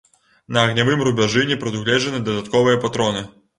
На агнявым рубяжы не прадугледжаны дадатковыя патроны.